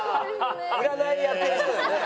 占いやってる人だよね？